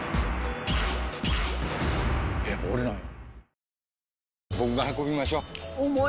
やっぱ俺なんや。